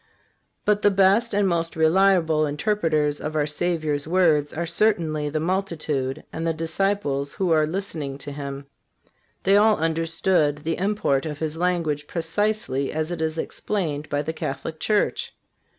But the best and the most reliable interpreters of our Savior's words are certainly the multitude and the disciples who are listening to Him. They all understood the import of His language precisely as it is explained by the Catholic Church.